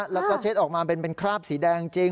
แล้วก็เช็ดออกมาเป็นคราบสีแดงจริง